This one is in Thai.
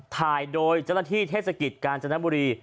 ถ่ายโดยเจ้าหน้าที่เทศกิจกาญจนบุรี